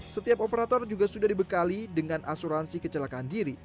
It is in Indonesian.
setiap operator juga sudah dibekali dengan asuransi kecelakaan diri